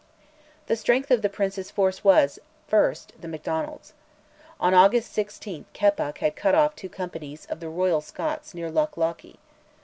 The strength of the Prince's force was, first, the Macdonalds. On August 16 Keppoch had cut off two companies of the Royal Scots near Loch Lochy.